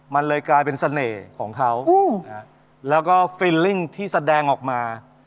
มันเลยกลายเป็นเสน่ห์ของเขาแล้วก็ฟิลลิ่งที่แสดงออกมา